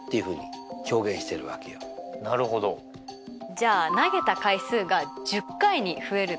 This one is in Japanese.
じゃあ投げた回数が１０回に増えると？